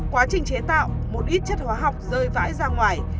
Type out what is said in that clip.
quá trình chế tạo một ít chất hóa học rơi vãi ra ngoài